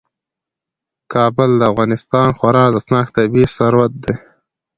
کابل د افغانستان یو خورا ارزښتناک طبعي ثروت دی.